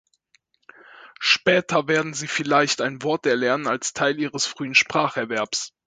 Später werden sie vielleicht ein Wort erlernen als Teil ihres frühen Spracherwerbs.